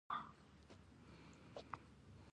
دوی د دکن او لکنهو د دربارونو ذکر کړی دی.